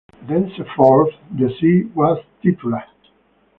Thenceforth the see was titular.